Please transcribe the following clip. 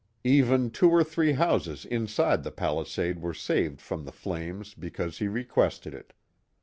Even two or three houses inside the palisade were saved from the flames because he requested it.